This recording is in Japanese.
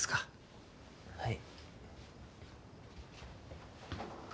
はい。